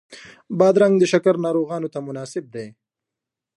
بادرنګ د شکر ناروغانو ته مناسب دی.